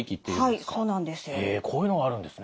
はいそうなんです。